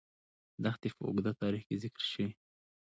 دښتې په اوږده تاریخ کې ذکر شوې.